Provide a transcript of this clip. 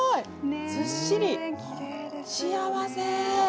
ずっしり、幸せ。